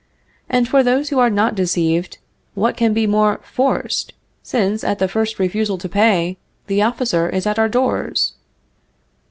And for those who are not deceived, what can be more forced, since, at the first refusal to pay, the officer is at our doors?